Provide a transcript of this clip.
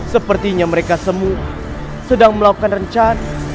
sepertinya mereka semua sedang melakukan rencana